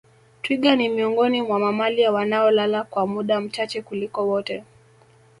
Twiga ni miongoni mwa mamalia wanaolala kwa muda mchache kuliko wote